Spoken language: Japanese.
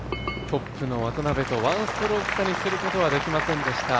トップの渡邉と１ストローク差にすることはできませんでした